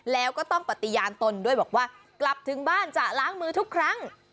แล้วก็ต้องปฏิญาณตนด้วยบอกว่ากลับถึงบ้านจะล้างมือทุกครั้ง